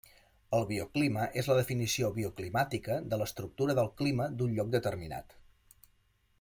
El bioclima és la definició bioclimàtica de l'estructura del clima d'un lloc determinat.